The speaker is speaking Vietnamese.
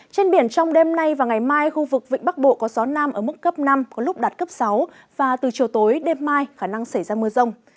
trên biển trong đêm nay và ngày mai khu vực vịnh bắc bộ có gió nam ở mức cấp năm có lúc đạt cấp sáu và từ chiều tối đêm mai khả năng xảy ra mưa rông